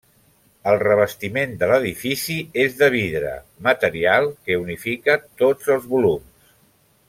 El revestiment de l'edifici és de vidre, material que unifica tots els volums.